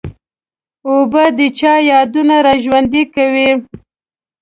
اوبه د چا یادونه را ژوندي کوي.